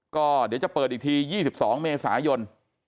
ก็เดี๋ยวจะเปิดอีกที๒๒เมษายน